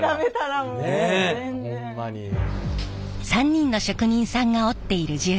３人の職人さんが織っている絨毯